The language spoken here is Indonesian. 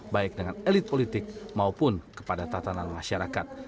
baik dengan elit politik maupun kepada tatanan masyarakat